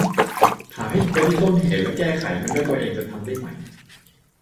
หาให้เจอที่ต้นเหตุแล้วแก้ไขมันด้วยตัวเองจะทำได้ไหม